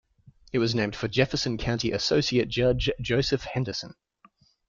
It was named for Jefferson County Associate Judge Joseph Henderson.